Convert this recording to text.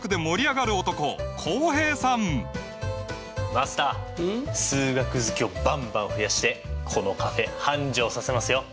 マスター数学好きをバンバン増やしてこのカフェ繁盛させますよ。